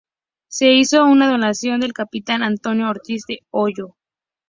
Se hizo por donación del Capitán Antonio Ortiz del Hoyo.